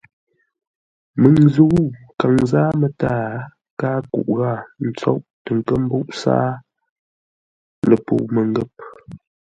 Məŋ nzə̂u kâŋ zâa mətǎa, káa kuʼ gháa ntsoʼ tə nkə́ mbúʼ sáa ləpəu məngə̂p.